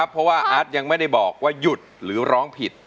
เพราะว่าอาร์ตยังไม่ได้บอกว่าหยุดหรือร้องผิด